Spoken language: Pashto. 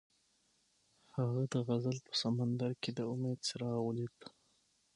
هغه د غزل په سمندر کې د امید څراغ ولید.